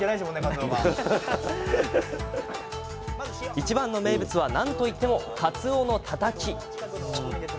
いちばんの名物はなんといってもかつおのたたき。